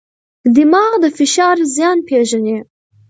دماغ د فشار زیان پېژني.